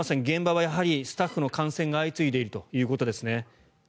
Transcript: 現場はスタッフの感染が相次いでいるということですね。